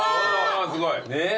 すごい。